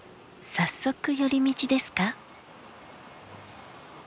早速寄り道ですか？